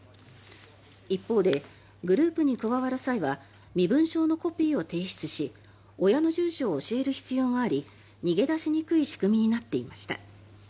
一方でグループに加わる際は身分証のコピーを提出し親の住所を教える必要があり逃げ出しにくい仕組みになっていました。